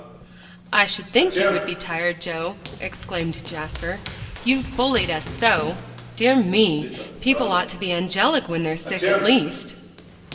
"I should think you would be tired, Joe," exclaimed Jasper, "you've bullied us so. Dear me! people ought to be angelic when they're sick, at least."